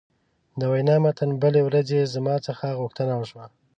د وینا متن: بلې ورځې زما څخه غوښتنه وشوه.